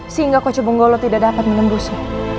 sehingga kocobonggolo tidak dapat menembusmu